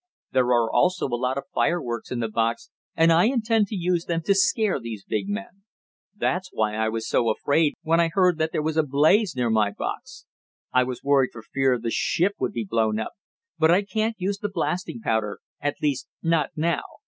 There are also a lot of fireworks in the box, and I intend to use them to scare these big men. That's why I was so afraid when I heard that there was a blaze near my box. I was worried for fear the ship would be blown up. But I can't use the blasting powder at least not now.